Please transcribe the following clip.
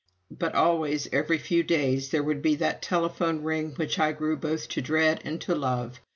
But always every few days there would be that telephone ring which I grew both to dread and to love.